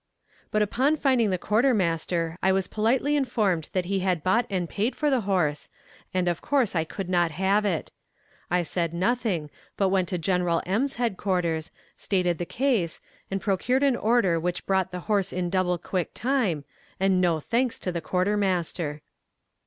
But upon finding the quartermaster I was politely informed that he had bought and paid for the horse, and of course I could not have it. I said nothing, but went to General M.'s headquarters, stated the case, and procured an order which brought the horse in double quick time, and no thanks to the quartermaster.